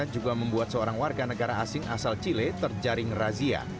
juga membuat seorang warga negara asing asal chile terjaring razia